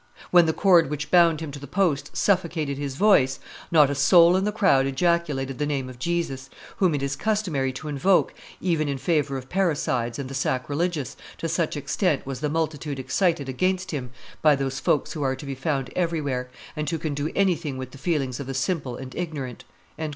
When the cord which bound him to the post suffocated his voice, not a soul in the crowd ejaculated the name of Jesus, whom it is customary to invoke even in favor of parricides and the sacrilegious, to such extent was the multitude excited against him by those folks who are to be found everywhere, and who can do anything with the feelings of the simple and ignorant."